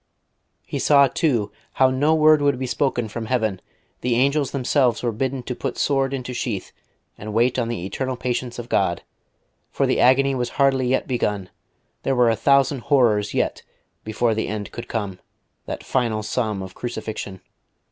He saw, too, how no word would be spoken from heaven; the angels themselves were bidden to put sword into sheath, and wait on the eternal patience of God, for the agony was hardly yet begun; there were a thousand horrors yet before the end could come, that final sum of crucifixion....